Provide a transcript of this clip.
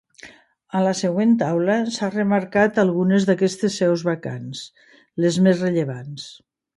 A la següent taula s'ha remarcat algunes d'aquestes seus vacants, les més rellevants.